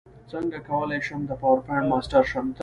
څنګه کولی شم د پاورپاینټ ماسټر شم